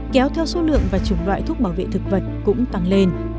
kéo theo số lượng và chủng loại thuốc bảo vệ thực vật cũng tăng lên